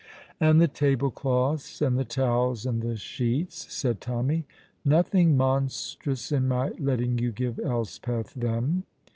"And the table cloths and the towels and the sheets," said Tommy. "Nothing monstrous in my letting you give Elspeth them?"